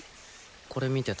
これ見てた。